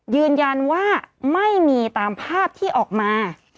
ยืนยันว่าไม่มีตามภาพที่ออกมา